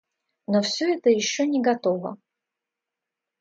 Но все это еще не готово.